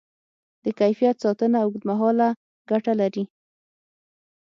د کیفیت ساتنه اوږدمهاله ګټه لري.